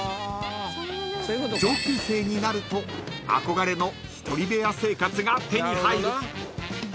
［上級生になると憧れの１人部屋生活が手に入る］